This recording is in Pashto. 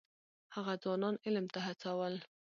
هغه ځوانان علم ته هڅول.